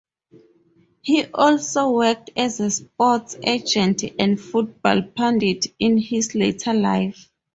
He also worked as a sports agent and football pundit in his later life.